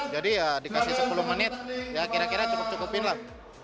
jadi ya dikasih sepuluh menit ya kira kira cukup cukupin lah